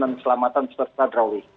dan keselamatan peserta drawing